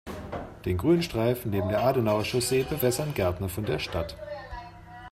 Den Grünstreifen neben der Adenauer-Chaussee bewässern Gärtner von der Stadt.